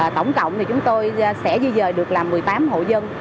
tổng cộng thì chúng tôi sẽ di dời được là một mươi tám hộ dân